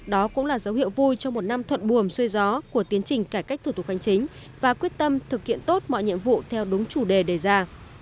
đó cũng là dấu hiệu vui trong một năm thuận bùm xuôi gió của tiến trình cải cách thủ tục hành chính và quyết tâm thực hiện tốt mọi nhiệm vụ theo đúng chủ đề đề ra